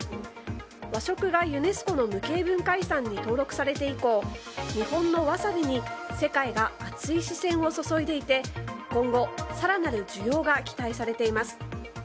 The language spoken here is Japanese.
和食がユネスコの無形文化遺産に登録されて以降日本のワサビに世界が熱い視線を注いでいて今後、更なる需要が期待されています。